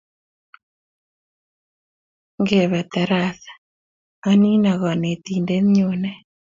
Ngebe tarasa, anino kanetindet nyone